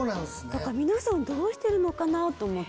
だから皆さんどうしてるのかな？と思って。